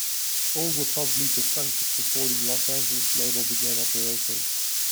All were probably defunct long before the Los Angeles label began operations.